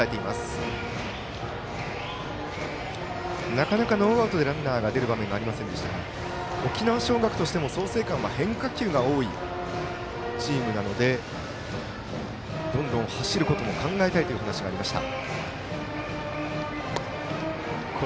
なかなかノーアウトでランナーが出る場面がありませんでしたが沖縄尚学としても創成館は変化球が多いチームなのでどんどん、走ることも考えたいと話もありました。